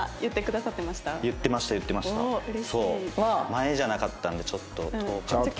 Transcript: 前じゃなかったんでちょっと遠かった。